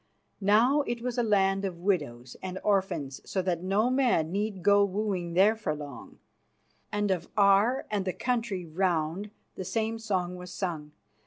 Now it was a land of widows and orphans, so that no man need go wooing there for long, and of Aar and the country round the same song was sung.